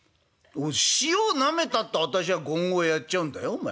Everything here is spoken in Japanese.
塩なめたってあたしゃ五合やっちゃうんだよお前。